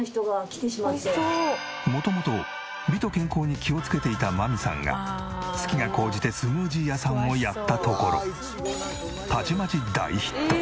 元々美と健康に気をつけていた真実さんが好きが高じてスムージー屋さんをやったところたちまち大ヒット！